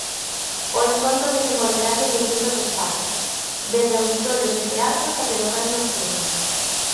O encontro desenvolverase en distintos espazos, desde auditorios e teatros até locais nocturnos.